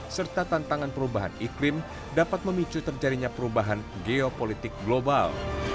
serta tantangan perubahan iklim dapat memicu terjadinya perubahan geopolitik global